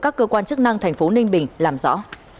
các cơ quan chức năng thành phố ninh bình làm rõ